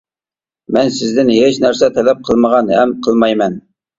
مەن سىزدىن ھېچ نەرسە تەلەپ قىلمىغان ھەم قىلمايمەن.